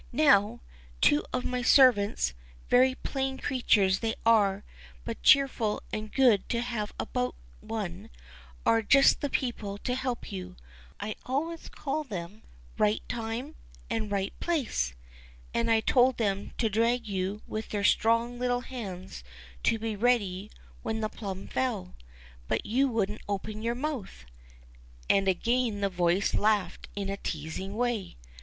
Now, two of my servants, very plain creatures they are, but cheerful and good to have about one, are just the people to help you ; I always call them ^ Right Time ' and ^ Right Place,' and I told them to drag you with their strong little hands, to be ready when the plum fell. But you wouldn't open your mouth ! And again the voice laughed in a teasing way.